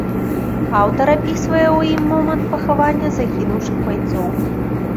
Аўтар апісвае ў ім момант пахавання загінуўшых байцоў.